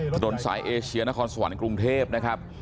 ถนนสายเอเชียนครสวรรค์กรุงเทพนะครับ